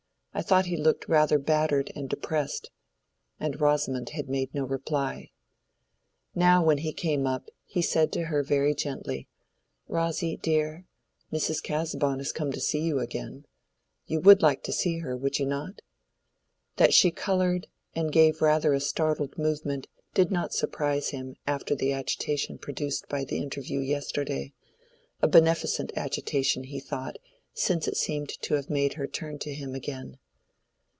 I thought he looked rather battered and depressed." And Rosamond had made no reply. Now, when he came up, he said to her very gently, "Rosy, dear, Mrs. Casaubon is come to see you again; you would like to see her, would you not?" That she colored and gave rather a startled movement did not surprise him after the agitation produced by the interview yesterday—a beneficent agitation, he thought, since it seemed to have made her turn to him again.